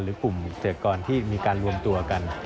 หรือกลุ่มเศรษฐกรที่มีการรวมตัวกัน